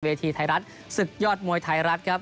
เวทีไทยรักษ์ศึกยอดมวยไทยรักษณ์ครับ